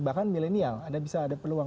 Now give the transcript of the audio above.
bahkan milenial anda bisa ada peluang